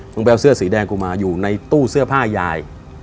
ไปเอาเสื้อสีแดงกูมาอยู่ในตู้เสื้อผ้ายาย